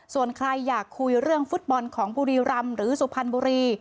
ส่วนใครอยากคุยเรื่องฟุตบอลของบุรีรำหรือสุพรรณบุรี